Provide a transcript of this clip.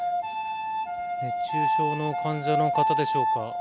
熱中症の患者の方でしょうか。